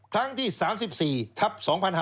ครั้งที่๓๔ทัพ๒๑๖๐